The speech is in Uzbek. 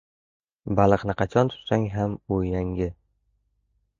• Baliqni qachon tutsang ham u yangi.